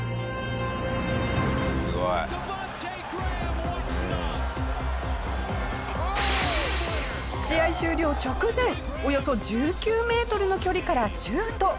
すごい。試合終了直前およそ１９メートルの距離からシュート。